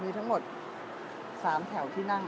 เดี๋ยวจะให้ดูว่าค่ายมิซูบิชิเป็นอะไรนะคะ